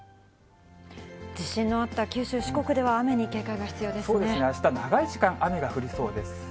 地震のあった九州、四国ではそうですね、あした長い時間、雨が降りそうです。